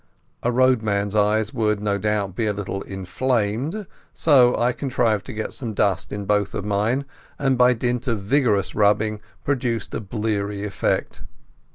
A roadman's eyes would no doubt be a little inflamed, so I contrived to get some dust in both of mine, and by dint of vigorous rubbing produced a bleary effect.